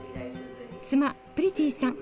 妻プリティさん。